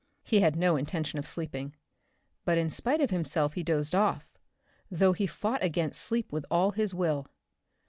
He had no intention of sleeping. But in spite of himself he dozed off, though he fought against sleep with all his will.